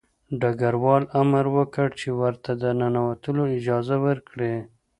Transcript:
ډګروال امر وکړ چې ورته د ننوتلو اجازه ورکړي